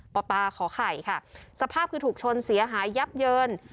ปปขอไข่ค่ะสภาพคือถูกชนเสียหายยับเยิน